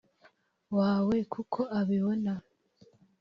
wawe a kuko ababibona